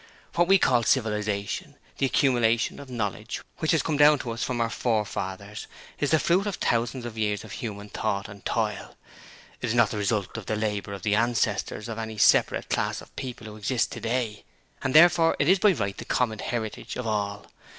What we call civilization the accumulation of knowledge which has come down to us from our forefathers is the fruit of thousands of years of human thought and toil. It is not the result of the labour of the ancestors of any separate class of people who exist today, and therefore it is by right the common heritage of all.